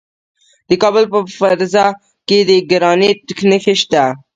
د کابل په فرزه کې د ګرانیټ نښې شته.